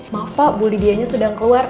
maaf pak bu lydia nya sedang keluar